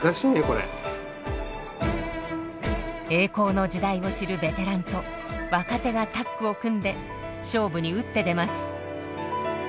栄光の時代を知るベテランと若手がタッグを組んで勝負に打って出ます。